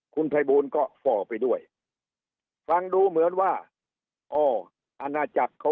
คุณไพบูลก็ฟ่อไปด้วยฟังดูเหมือนว่าอ๋ออาณาจักรของคุณไพบูล